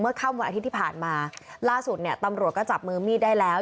ค่ำวันอาทิตย์ที่ผ่านมาล่าสุดเนี่ยตำรวจก็จับมือมีดได้แล้ว